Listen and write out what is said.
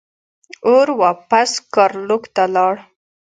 اور واپس ګارلوک ته لاړ.